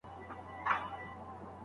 هغه له خپل پلار څخه روايت کوي.